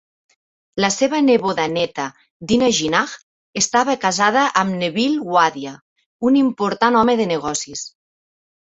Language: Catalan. La seva neboda-néta, Dina Jinnah, estava casada amb Neville Wadia, un important home de negocis.